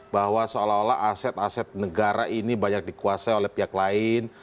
bahwa seolah olah aset aset negara ini banyak dikuasai oleh pihak lain